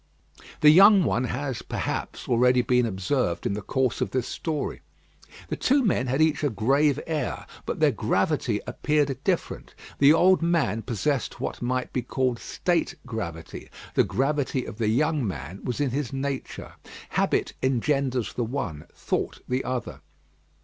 The young one has, perhaps, already been observed in the course of this story. The two men had each a grave air; but their gravity appeared different. The old man possessed what might be called state gravity; the gravity of the young man was in his nature. Habit engenders the one; thought the other.